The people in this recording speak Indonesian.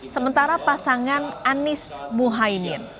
sementara pasangan anies muhaymin